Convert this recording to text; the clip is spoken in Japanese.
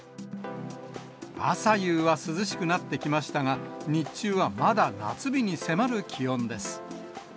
朝夕は涼しくなってきましたが、日中はまだ夏日に迫る気温です。